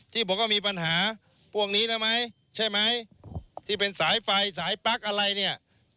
ที่บอกว่ามีปัญหาพวกนี้แล้วไหมใช่ไหมที่เป็นสายไฟสายปั๊กอะไรเนี่ย